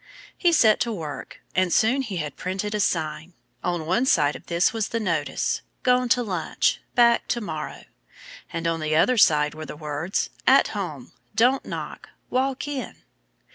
He set to work. And soon he had printed a sign. On one side of this was the notice, "Gone to Lunch. Back To morrow." And on the other side were the words, "At Home. Don't Knock. Walk In."